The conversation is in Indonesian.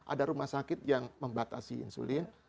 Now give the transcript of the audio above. ada rumah sakit yang membatasi insulin